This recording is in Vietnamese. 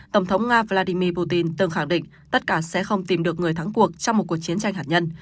tổng thống nga vladimir putin từng khẳng định tất cả sẽ không tìm được người thắng cuộc trong một cuộc chiến tranh hạt nhân